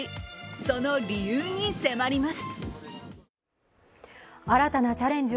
その理由に迫ります。